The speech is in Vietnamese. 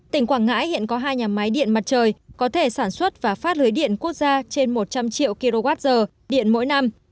tỉnh quảng ngãi hiện có hai nhà máy điện mặt trời có thể sản xuất và phát lưới điện quốc gia trên một trăm linh triệu kwh điện mỗi năm